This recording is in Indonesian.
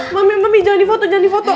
mami jangan di foto